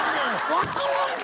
「分からんか？」